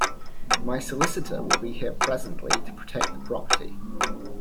My solicitor will be here presently to protect the property.